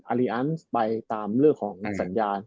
รีอันซ์ไปตามเรื่องของสัญญาณ